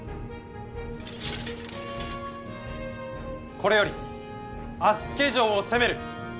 これより足助城を攻める！